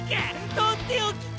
とっておきか！